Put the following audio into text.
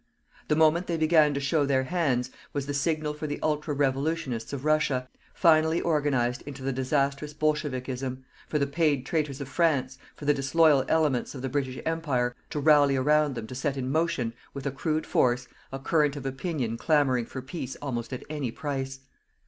The moment they began to show their hands, was the signal for the ultra Revolutionists of Russia, finally organized into the disastrous bolshevikism, for the paid traitors of France, for the disloyal elements of the British Empire, to rally around them to set in motion, with accrued force, a current of opinion clamouring for peace almost at any price.